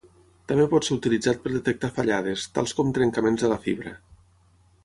També pot ser utilitzat per detectar fallades, tals com trencaments de la fibra.